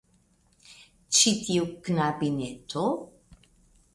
Ĉi tiu knabineto?